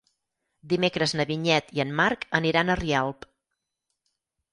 Dimecres na Vinyet i en Marc aniran a Rialp.